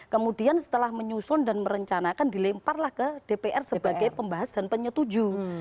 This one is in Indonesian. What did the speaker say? kemudian setelah menyusun dan merencanakan dilemparlah ke dpr sebagai pembahas dan penyetuju